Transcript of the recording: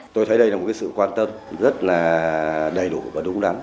tôi thấy đây là một sự quan tâm rất là đầy đủ và đúng đắn